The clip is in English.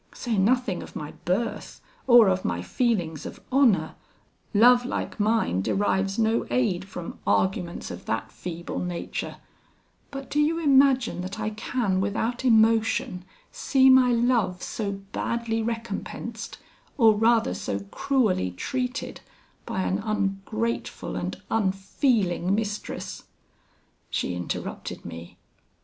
Say nothing of my birth, or of my feelings of honour; love like mine derives no aid from arguments of that feeble nature; but do you imagine that I can without emotion see my love so badly recompensed, or rather so cruelly treated, by an ungrateful and unfeeling mistress?' "She interrupted me.